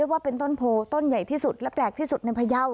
ว่าเป็นต้นโพต้นใหญ่ที่สุดและแปลกที่สุดในพยาว